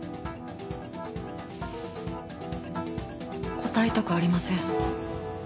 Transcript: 答えたくありません。